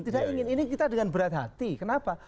tidak ingin ini kita dengan berat hati kenapa